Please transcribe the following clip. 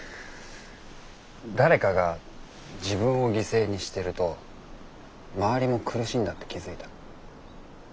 誰かが自分を犠牲にしてると周りも苦しいんだって気付いた。